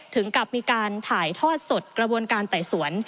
ถึงกับมีการถ่ายทอดสดกระบวนการไต่สวน